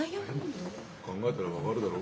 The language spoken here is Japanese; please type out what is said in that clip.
考えたら分かるだろ？